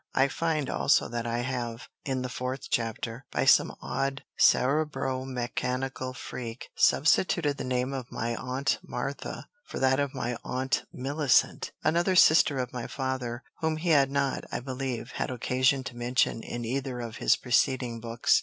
I find also that I have, in the fourth chapter, by some odd cerebro mechanical freak, substituted the name of my Aunt Martha for that of my Aunt Millicent, another sister of my father, whom he has not, I believe, had occasion to mention in either of his preceding books.